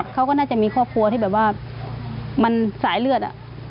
เขาก็น่าจะมีครอบครัวที่แบบว่ามันสายเลือด